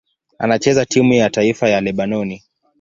Anachezea timu ya taifa ya Lebanoni.